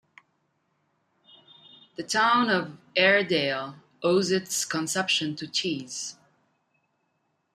The town of Aredale owes its conception to cheese.